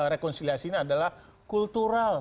rekonsiliasinya adalah kultural